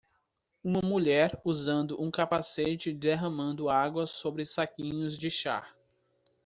Uma mulher usando um capacete derramando água sobre saquinhos de chá.